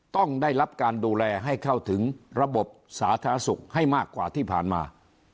ต้องได้รับการดูแลให้เข้าถึงระบบสาธารณสุขให้มากกว่าที่ผ่านมา